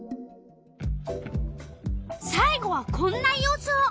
さい後はこんな予想！